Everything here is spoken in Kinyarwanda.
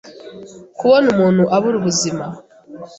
kubona umuntu abura ubuzima.